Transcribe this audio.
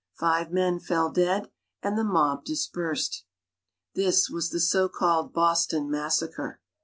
Five men fell dead and the mob dispersed. This was the so called Boston massacre.